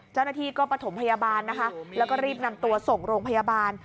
เจ้าหน้าที่ก็ประถมพยาบาลนะคะแล้วก็รีบนำตัวส่งโรงพยาบาล